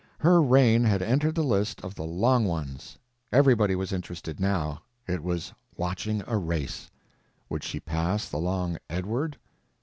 Her reign had entered the list of the long ones; everybody was interested now—it was watching a race. Would she pass the long Edward?